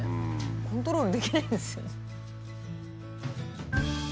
コントロールできないですよ。